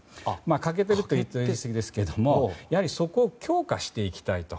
欠けていると言っては言い過ぎですけどもそこを強化していきたい。